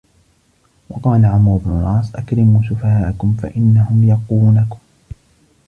وَقَالَ عَمْرُو بْنُ الْعَاصِ أَكْرِمُوا سُفَهَاءَكُمْ فَإِنَّهُمْ يَقُونَكُمْ